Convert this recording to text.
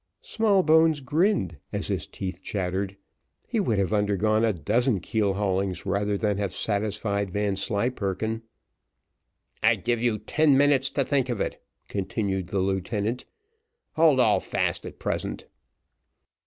Smallbones grinned as his teeth chattered he would have undergone a dozen keel haulings rather than have satisfied Vanslyperken. "I give you ten minutes to think of it," continued the lieutenant; "hold all fast at present."